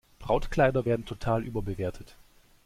Brautkleider werden total überbewertet.